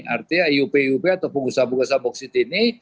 artinya iup iup atau pengusaha pengusaha boksit ini